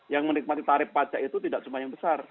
yang menikmati tarif pajak itu tidak cuma yang besar